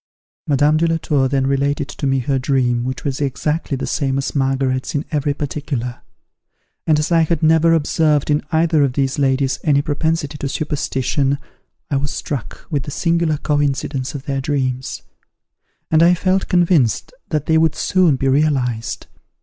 Madame de la Tour then related to me her dream which was exactly the same as Margaret's in every particular; and as I had never observed in either of these ladies any propensity to superstition, I was struck with the singular coincidence of their dreams, and I felt convinced that they would soon be realized.